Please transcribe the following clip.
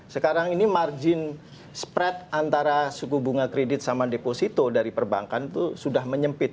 sekarang ini margin spread antara suku bunga kredit sama deposito dari perbankan itu sudah menyempit